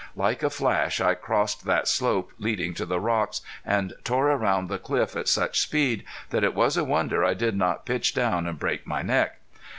Like a flash I crossed that slope leading to the rocks, and tore around the cliff at such speed that it was a wonder I did not pitch down and break my neck.